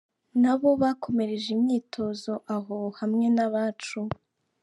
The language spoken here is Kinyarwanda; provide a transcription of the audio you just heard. Nabo bakomereje imyitozo aho hamwe n’abacu.